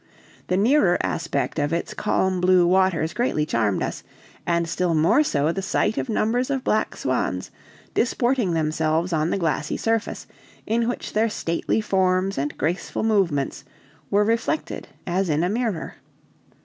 The nearer aspect of its calm blue waters greatly charmed us, and still more so the sight of numbers of black swans, disporting themselves on the glassy surface, in which their stately forms and graceful movements were reflected as in a mirror.